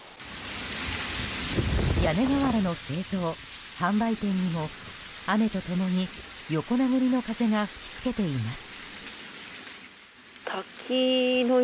屋根瓦の製造・販売店にも雨と共に横殴りの風が吹きつけています。